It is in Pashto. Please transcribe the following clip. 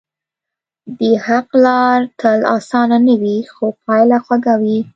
د حق لار تل آسانه نه وي، خو پایله خوږه وي.